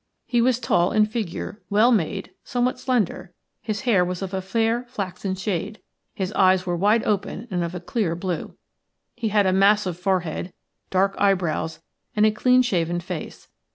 He was tall in figure, well made; somewhat slender; his hair was of a fair flaxen shade; his eyes were wide open and of a clear blue. He had a massive forehead, dark eyebrows, and a clean shaven face.